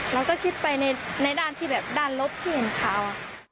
เราก็คิดไปในด้านที่แบบด้านลบที่เห็นข่าว